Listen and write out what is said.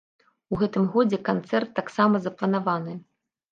У гэтым годзе канцэрт таксама запланаваны.